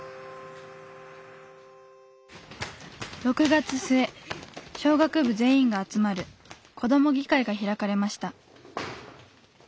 ６月末小学部全員が集まる子ども議会が開かれました。